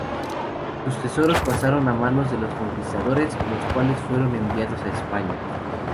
Sus tesoros pasaron a manos de los conquistadores, los cuales fueron enviados a España.